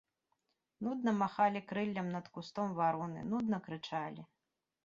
Нудна махалі крыллем над кустом вароны, нудна крычалі.